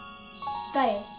誰？